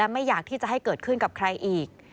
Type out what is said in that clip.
ไม่อยากที่จะให้เกิดขึ้นกับใครอีก